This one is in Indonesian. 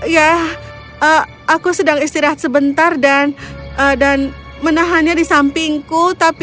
ya aku sedang istirahat sebentar dan dan menahannya di sampingku